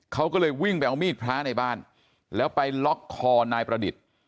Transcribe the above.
เขาก็เลยวิ่งไปเอามีดพระในบ้านแล้วไปล็อกคอนายประดิษฐ์